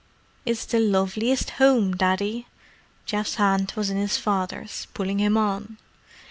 "It's the loveliest home, Daddy!" Geoff's hand was in his father's, pulling him on.